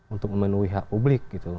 untuk memenuhi hak publik gitu loh